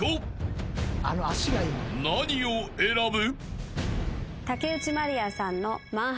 ［何を選ぶ？］